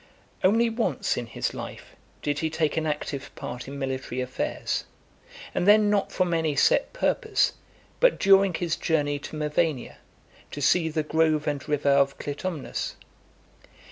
XLIII. Only once in his life did he take an active part in military affairs, and then not from any set purpose, but during his journey to Mevania, to see the grove and river of Clitumnus .